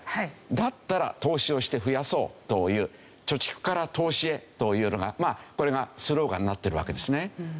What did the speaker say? だったら投資をして増やそうという「貯蓄から投資へ」というのがこれがスローガンになってるわけですね。